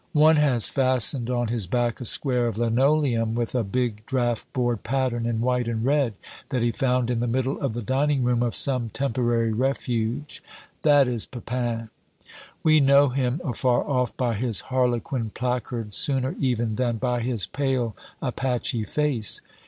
One has fastened on his back a square of linoleum, with a big draught board pattern in white and red, that he found in the middle of the dining room of some temporary refuge. That is Pepin. We know him afar off by his harlequin placard sooner even than by his pale Apache face.